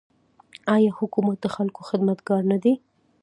آیا حکومت د خلکو خدمتګار نه دی؟